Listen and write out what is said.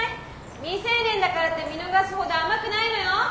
未成年だからって見逃すほど甘くないのよ！